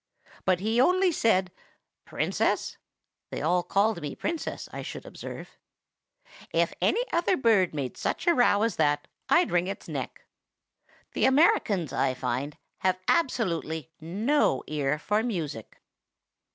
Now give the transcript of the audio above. But he only said, 'Princess [they all called me Princess, I should observe], if any other bird made such a row as that, I'd wring its neck.' The Americans, I find, have absolutely no ear for music.